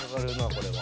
これは。